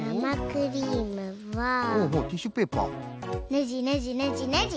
ねじねじねじねじ。